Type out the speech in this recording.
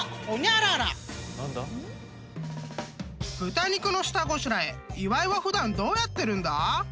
［豚肉の下ごしらえ岩井は普段どうやってるんだ？］